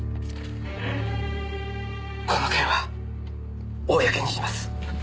この件は公にします。